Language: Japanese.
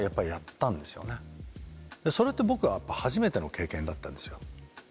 それって僕はやっぱり初めての経験だったんですよ。